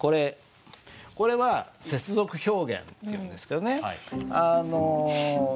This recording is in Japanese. これは接続表現っていうんですけどね